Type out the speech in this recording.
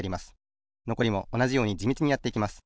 のこりもおなじようにじみちにやっていきます。